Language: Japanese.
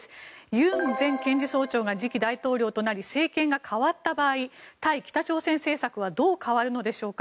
ユン前検事総長が次期大統領となり政権が変わった場合対北朝鮮対策はどう変わるのでしょうか。